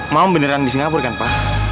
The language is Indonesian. mama beneran di singapura kan pa